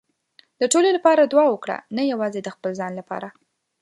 د ټولو لپاره دعا وکړه، نه یوازې د خپل ځان لپاره.